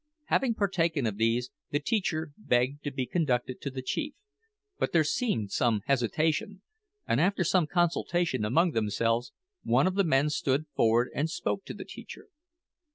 Having partaken of these, the teacher begged to be conducted to the chief; but there seemed some hesitation, and after some consultation among themselves, one of the men stood forward and spoke to the teacher.